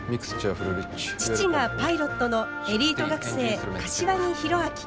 父がパイロットのエリート学生柏木弘明。